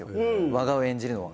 和賀を演じるのは。